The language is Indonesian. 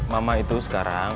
mama itu sekarang